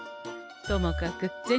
ともかく銭